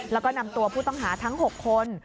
แล้วก็นำตัวผู้ต้องหาทั้ง๖คน